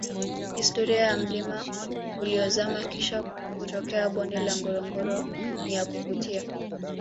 historia ya mlima uliozama Kisha kutokea bonde la ngorongoro ni ya kuvutia